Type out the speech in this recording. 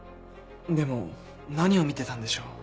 でも何を見てたんでしょう？